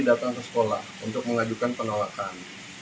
dan dia bisa datang ke sekolah untuk mengajukan penolakan